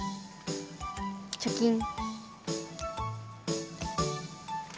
チョキン。